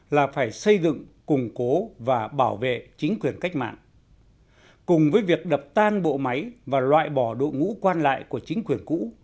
là phải xây dựng củng cố và bảo vệ chính quyền cách mạng cùng với việc đập tan bộ máy và loại bỏ đội ngũ quan lại của chính quyền cũ